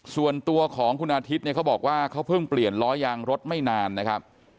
ส่วนตัวของคุณอาทิตย์เนี่ยเขาบอกว่าเขาเพิ่งเปลี่ยนล้อยางรถไม่นานนะครับ